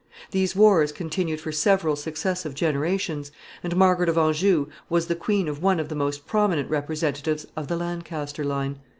These wars continued for several successive generations, and Margaret of Anjou was the queen of one of the most prominent representatives of the Lancaster line.